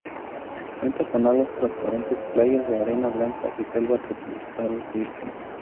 Cuenta con aguas transparentes, playas de arena blanca y selva tropical virgen.